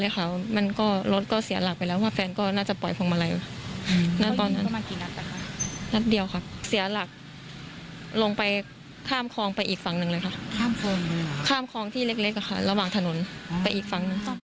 ข้ามคลองที่เล็กระหว่างถนนไปอีกฝั่งหนึ่ง